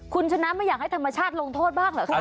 คุณชนะไม่อยากให้ธรรมชาติลงโทษบ้างเหรอคะ